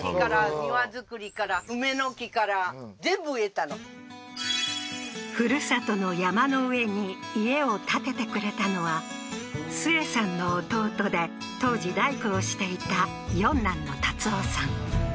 このふるさとの山の上に家を建ててくれたのはスエさんの弟で当時大工をしていた四男の辰夫さん